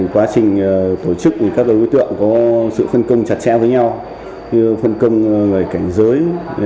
quá trình tổ chức thì các đối tượng có sự phân công chặt chẽ với nhau như phân công người cảnh giới